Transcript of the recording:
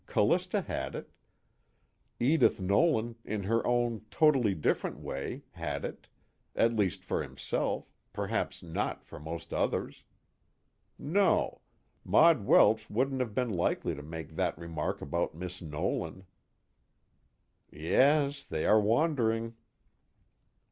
Callista had it. Edith Nolan, in her own totally different way, had it, at least for himself, perhaps not for most others. No: Maud Welsh wouldn't have been likely to make that remark about Miss Nolan. _Yes, they are wandering.